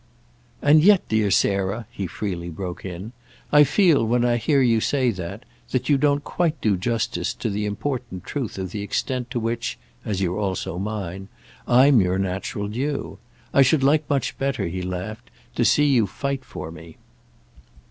"And yet, dear Sarah," he freely broke in, "I feel, when I hear you say that, that you don't quite do justice to the important truth of the extent to which—as you're also mine—I'm your natural due. I should like much better," he laughed, "to see you fight for me."